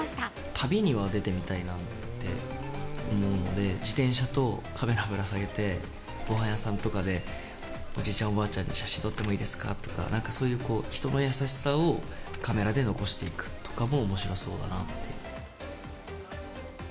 旅には出てみたいなって思うので、自転車とカメラをぶら下げて、ごはん屋さんとかで、おじいちゃん、おばあちゃんに写真撮ってもいいですか？とか、なんかそういう、人の優しさをカメラで残していくとかもおもしろそうだなって。